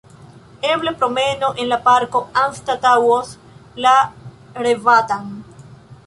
Eble promeno en la parko anstataŭos la revatan.